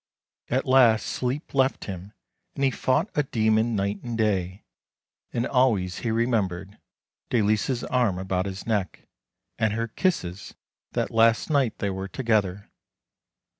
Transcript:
At last sleep left him and he fought a demon night and day, and always he remembered Dalice's arm about his neck, and her kisses that last night they were together.